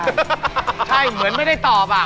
ใช่เหมือนไม่ได้ตอบอ่ะ